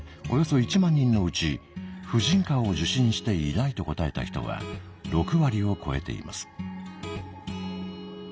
およそ１万人のうち「婦人科を受診していない」と答えた人は６割を超えています。